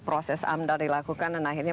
proses amdal dilakukan dan akhirnya